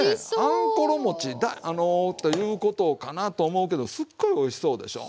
あんころ餅ということかなと思うけどすっごいおいしそうでしょ。